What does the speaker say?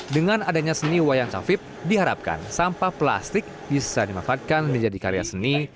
dengan adanya seni wayang cavip diharapkan sampah plastik bisa dimanfaatkan menjadi karya seni